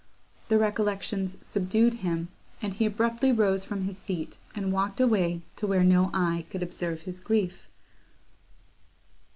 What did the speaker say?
The recollections subdued him, and he abruptly rose from his seat, and walked away to where no eye could observe his grief.